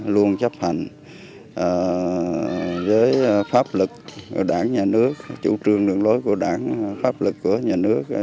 luôn chấp hành với pháp luật của đảng nhà nước chủ trương lượng lối của đảng pháp luật của nhà nước